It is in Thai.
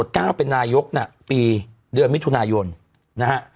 แต่กว่าจะโปรด๙เป็นนายกนะปีเดือนมิถุนายนนะคะ